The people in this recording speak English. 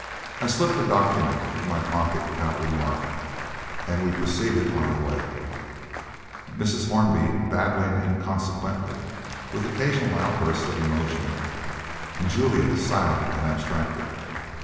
I slipped the document into my pocket without remark, and we proceeded on our way, Mrs. Hornby babbling inconsequently, with occasional outbursts of emotion, and Juliet silent and abstracted.